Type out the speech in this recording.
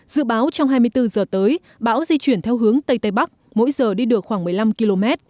dự báo trong hai mươi bốn giờ tới bão di chuyển theo hướng tây tây bắc mỗi giờ đi được khoảng một mươi năm km